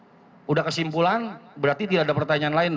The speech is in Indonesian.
sudah kesimpulan berarti tidak ada pertanyaan lain